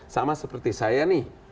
sama seperti saya nih